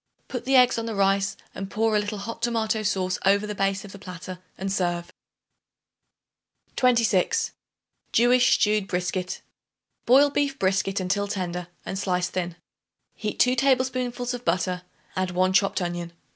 Put the eggs on the rice and pour a little hot tomato sauce over the base of the platter and serve. 26. Jewish Stewed Brisket. Boil beef brisket until tender, and slice thin. Heat 2 tablespoonfuls of butter; add 1 chopped onion.